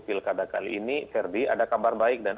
pilkada kali ini ferdi ada kabar baik dan